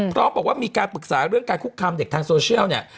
พร้อมบอกว่ามีการปรึกษาเรื่องการคุกคามเด็กทางโซเชียลเนี่ย